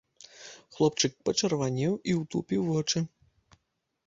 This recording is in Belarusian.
Хлопчык пачырванеў і ўтупіў вочы.